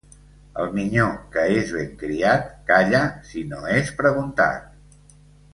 El minyó que és ben criat, calla si no és preguntat.